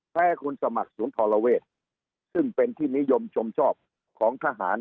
คุณสมัครศูนย์ธรเวศซึ่งเป็นที่นิยมชมชอบของทหาร